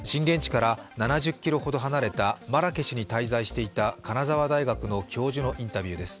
震源地から７０ｋｍほど離れたマラケシュに滞在していた金沢大学の教授のインタビューです。